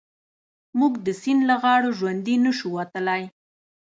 موږ د سيند له غاړو ژوندي نه شو وتلای.